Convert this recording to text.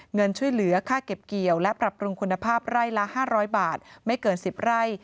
เงินช่วยเหลือค่าเก็บเกี่ยวและปรับปรุงคุณภาพไร่ละ๕๐๐บาทไม่เกิน๑๐ไร่